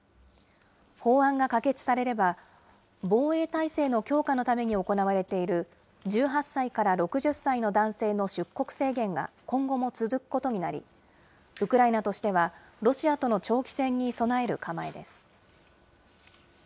法案が可決されれば、防衛態勢の強化のために行われている、１８歳から６０歳の男性の出国制限が、今後も続くことになり、ウクライナとしては、ロシアとの長期戦に備える構えです。